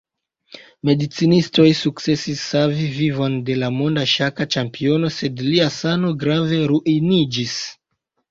Medicinistoj sukcesis savi vivon de la monda ŝaka ĉampiono, sed lia sano grave ruiniĝis.